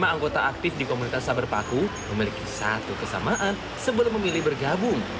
lima anggota aktif di komunitas sabar paku memiliki satu kesamaan sebelum memilih bergabung